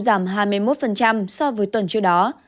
giảm hai mươi một so với tuần trước đó